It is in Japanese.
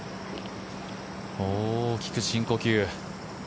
大きく深呼吸。